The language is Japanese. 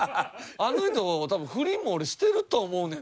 あの人多分不倫も俺してると思うねんな。